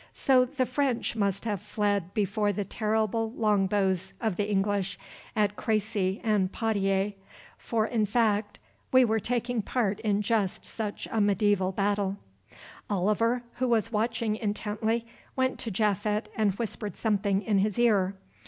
So the French must have fled before the terrible longbows of the English at Crécy and Poitiers, for, in fact, we were taking part in just such a mediæval battle. Oliver, who was watching intently, went to Japhet and whispered something in his ear.